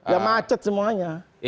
ya macet semuanya